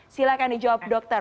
silahkan dijawab dokter